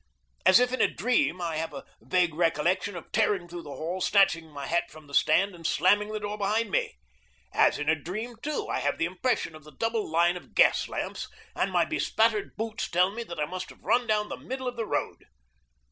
As if in a dream I have a vague recollection of tearing through the hall, snatching my hat from the stand, and slamming the door behind me. As in a dream, too, I have the impression of the double line of gas lamps, and my bespattered boots tell me that I must have run down the middle of the road.